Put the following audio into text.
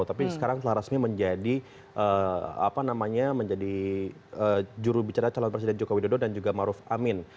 tapi sekarang telah rasmi menjadi jurubicara calon presiden jokowi dodo dan juga maruf amin